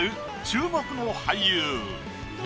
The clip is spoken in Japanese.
注目の俳優。